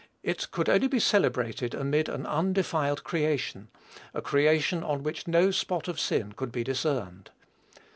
It could only be celebrated amid an undefiled creation, a creation on which no spot of sin could be discerned.